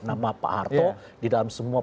nama pak harto di dalam semua